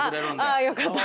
ああよかった。